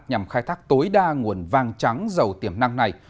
nhằm khai thác tối đa nguồn vàng trắng giàu tiềm năng này